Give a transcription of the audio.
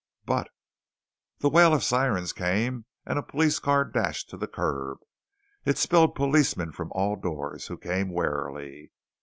"But " The wail of sirens came and a police car dashed to the curb. It spilled policemen from all doors, who came warily.